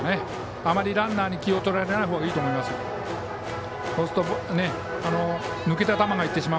あまりランナーに気をとられないほうがいいと思います。